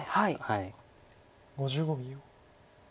５５秒。